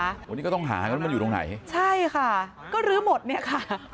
วันนี้ก็ต้องหากันว่ามันอยู่ตรงไหนใช่ค่ะก็ลื้อหมดเนี่ยค่ะ